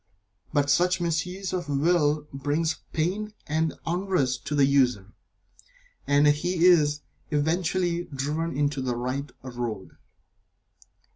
But such misuse of the Will brings pain and unrest to the user, and he is eventually driven into the right road.